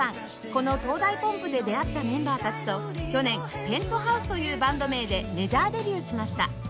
この東大 ＰＯＭＰ で出会ったメンバーたちと去年 Ｐｅｎｔｈｏｕｓｅ というバンド名でメジャーデビューしました